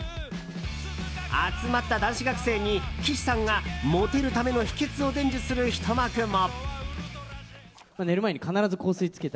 集まった男子学生に、岸さんがモテるための秘訣を伝授するひと幕も。